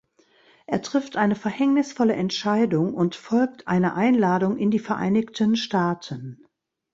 Er trifft eine verhängnisvolle Entscheidung und folgt einer Einladung in die Vereinigten Staaten.